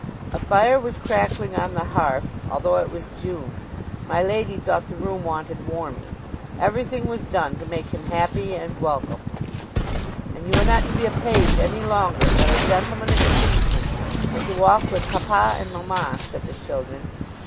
A fire was crackling on the hearth, although it was June. My lady thought the room wanted warming; everything was done to make him happy and welcome: "And you are not to be a page any longer, but a gentleman and kinsman, and to walk with papa and mamma," said the children.